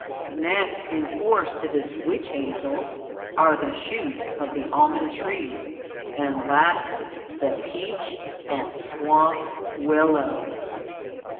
Next in force to this witch hazel are the shoots of the almond tree, and, lastly, the peach and swamp willow.